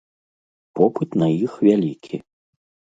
Попыт на іх вялікі.